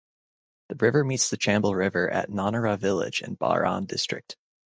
The river meets the Chambal River at Nonera village in Baran district.